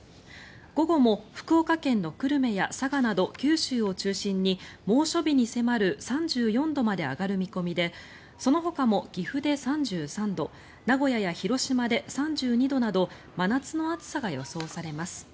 午後も福岡県の久留米や佐賀など九州を中心に猛暑日に迫る３４度まで上がる見込みでそのほかも岐阜で３３度名古屋や広島で３２度など真夏の暑さが予想されます。